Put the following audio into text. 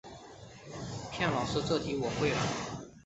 骗老师这题我会了